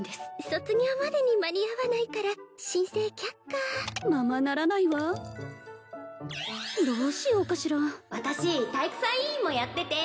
卒業までに間に合わないから申請却下ままならないわどうしようかしら私体育祭委員もやってて